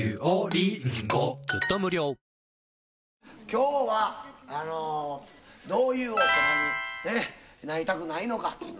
「今日はどういう大人になりたくないのかって」